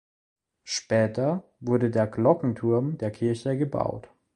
Später wurde der Glockenturm der Kirche gebaut.